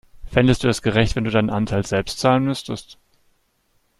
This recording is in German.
Fändest du es gerecht, wenn du deinen Anteil selbst zahlen müsstest?